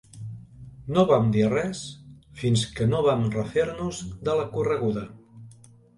No vam dir res fins que no vam refer-nos de la correguda.